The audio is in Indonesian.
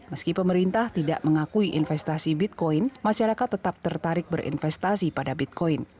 meski pemerintah tidak mengakui investasi bitcoin masyarakat tetap tertarik berinvestasi pada bitcoin